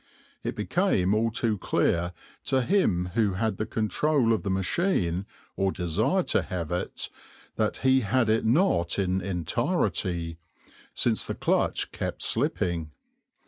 It became all too clear to him who had the control of the machine, or desired to have it, that he had it not in entirety, since the clutch kept slipping.